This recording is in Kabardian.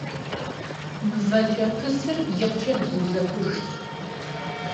МывэкӀэпысыр икъукӀэ бзу зэкӀужщ.